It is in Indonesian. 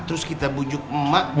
terus kita bujuk emak